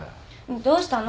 どうしたの？